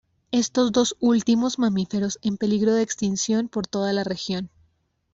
Estos dos últimos mamíferos en peligro de extinción por toda la región.